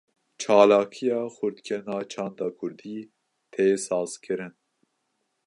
Çalakiya xurtkirina çanda Kurdî, tê sazkirin